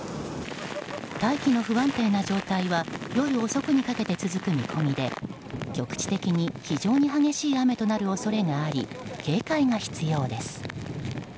大気の不安定な状態は夜遅くにかけて続く見込みで局地的に非常に激しい雨となる恐れがあり警戒が必要です。